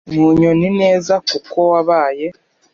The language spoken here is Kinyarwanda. mu nyoni neza kuko wabaye